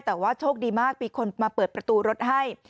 แต่ว่าโชคดีมากมีคนมาเปิดประตูรถให้